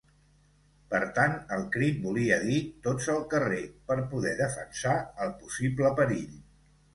Per tant el crit volia dir tots al carrer, per poder defensar el possible perill.